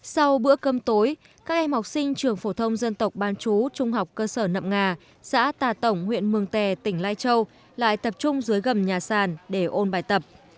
sau bữa cơm tối các em học sinh trường phổ thông dân tộc ban chú trung học cơ sở nậm ngà xã tà tổng huyện mường tè tỉnh lai châu lại tập trung dưới gầm nhà sàn để ôn bài tập